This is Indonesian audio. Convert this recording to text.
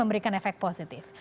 memberikan efek positif